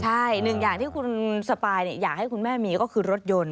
ใช่หนึ่งอย่างที่คุณสปายอยากให้คุณแม่มีก็คือรถยนต์